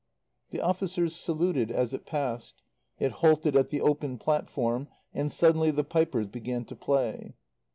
The officers saluted as it passed. It halted at the open platform, and suddenly the pipers began to play.